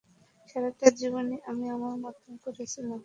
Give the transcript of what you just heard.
সারাটা জীবনই আমি আমার মত করে ছিলাম!